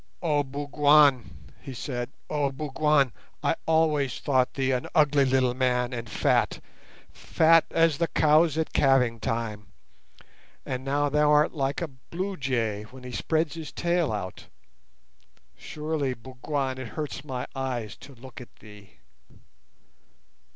"Oh, Bougwan!" he said. "Oh, Bougwan! I always thought thee an ugly little man, and fat—fat as the cows at calving time; and now thou art like a blue jay when he spreads his tail out. Surely, Bougwan, it hurts my eyes to look at thee."